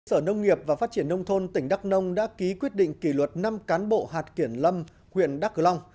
sở nông nghiệp và phát triển nông thôn tỉnh đắk nông đã ký quyết định kỷ luật năm cán bộ hạt kiểm lâm huyện đắk cờ long